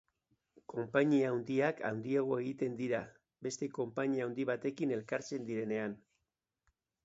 Konpainia handiak handiago egiten dira beste konpainia handi batekin elkartzen direnean.